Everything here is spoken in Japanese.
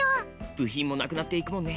部品もなくなっていくもんね。